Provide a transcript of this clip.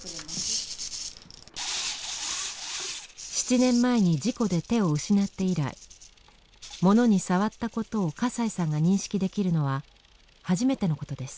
７年前に事故で手を失って以来物に触ったことを笠井さんが認識できるのは初めてのことです。